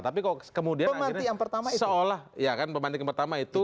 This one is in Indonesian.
tapi kemudian seolah pemantik yang pertama itu